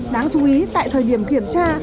đáng chú ý tại thời điểm kiểm tra